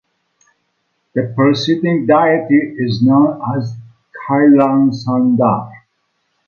The presiding deity is known as Kailasanathar.